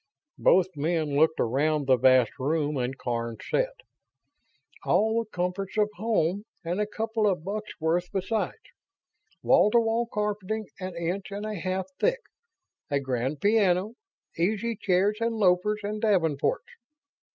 Both men looked around the vast room and Karns said: "All the comforts of home and a couple of bucks' worth besides. Wall to wall carpeting an inch and a half thick. A grand piano. Easy chairs and loafers and davenports.